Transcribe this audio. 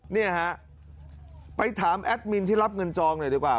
เนี่ยฮะไปถามแอดมินที่รับเงินจองหน่อยดีกว่า